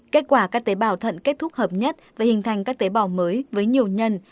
kết quả các tế bào thận kết thúc hợp nhất và hình thành các tế bào mới với nhiều nhân